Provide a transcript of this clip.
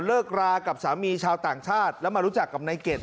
เลิกรากับสามีชาวต่างชาติแล้วมารู้จักกับนายเกด